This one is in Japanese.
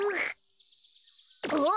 あっ！